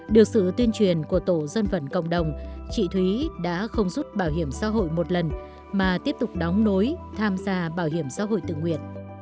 được sự tuyên truyền của tổ dân vận cộng đồng chị thúy đã không rút bảo hiểm xã hội một lần mà tiếp tục đóng nối tham gia bảo hiểm xã hội tự nguyện